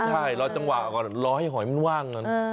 ใช่รอจังหวะก่อนรอให้หอยมันว่างก่อน